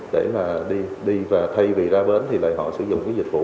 để mà đi và thay vì ra bến thì lại họ sử dụng cái dịch vụ